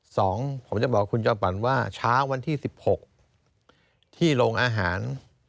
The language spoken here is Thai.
สองผมจะบอกคุณจอมฝันว่าเช้าวันที่สิบหกที่โรงอาหาร